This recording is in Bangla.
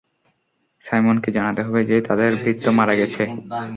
সাইমনকে জানাতে হবে যে তাদের ভৃত্য মারা গেছে।